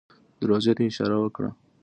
دروازې ته يې اشاره وکړه.